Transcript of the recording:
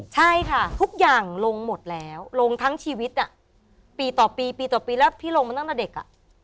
ใช่ค่ะทุกอย่างลงหมดแล้วลงทั้งชีวิตปีต่อปีแล้วลงมาตั้งแต่เด็ก